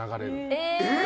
えっ！？